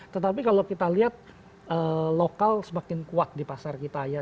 tetapi kalau kita lihat lokal semakin kuat di pasar kita ya